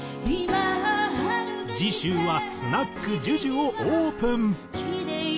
次週はスナックＪＵＪＵをオープン。